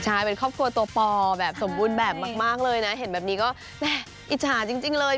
ใช่เป็นครอบครัวตัวปอแบบสมบูรณ์แบบมากเลยนะเห็นแบบนี้ก็แม่อิจฉาจริงเลย